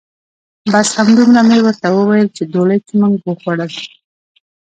بس همدومره مې ورته وویل چې دولچ مو وخوړل.